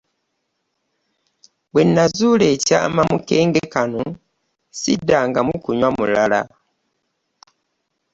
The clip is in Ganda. Bwe nazuula ekyama mu kenge kano ssiddangamu kinywa mulala.